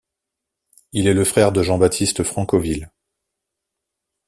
Il est le frère de Jean-Baptiste Francoville.